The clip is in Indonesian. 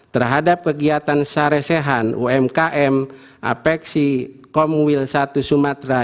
terhadap kegiatan saresehan umkm apexi komwil satu sumatera